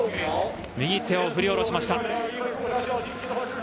右手を振り下ろしました。